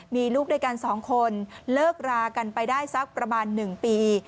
มีลูกด้วยกัน๒คนเลิกรากันไปได้สักประมาณ๑ปี